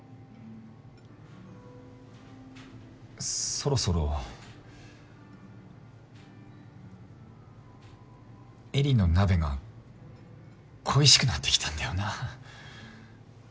そろそろ絵里の鍋が恋しくなってきたんだよな。